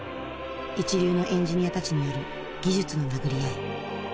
一流のエンジニアたちによる技術の殴り合い。